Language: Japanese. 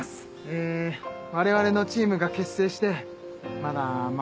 え我々のチームが結成してまだ間もない。